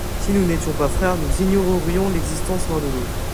Si nous n'étions pas frères nous ignorerions l'existence l'un de l'autre.